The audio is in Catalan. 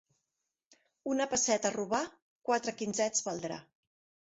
Una pesseta «robà», quatre quinzets valdrà.